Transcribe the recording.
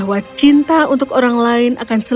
hei curhatlah sekali